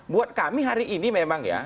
buat kami hari ini memang ya